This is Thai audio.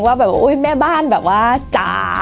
ว่าแบบอุ๊ยแม่บ้านแบบว่าจ้า